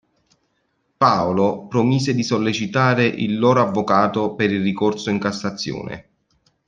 Paolo promise di sollecitare il loro avvocato per il ricorso in cassazione.